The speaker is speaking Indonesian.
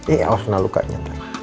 eh awas nalukannya